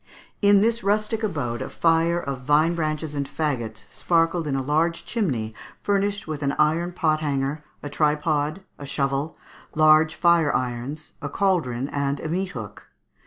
In this rustic abode a fire of vine branches and faggots sparkled in a large chimney furnished with an iron pot hanger, a tripod, a shovel, large fire irons, a cauldron and a meat hook.